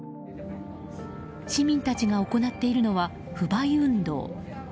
市民たちが行っているのは不買運動。